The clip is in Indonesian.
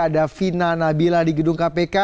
ada vina nabila di gedung kpk